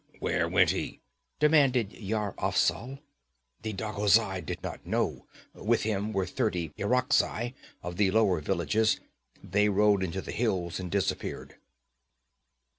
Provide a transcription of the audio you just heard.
'Where went he?' demanded Yar Afzal. 'The Dagozai did not know; with him were thirty Irakzai of the lower villages. They rode into the hills and disappeared.'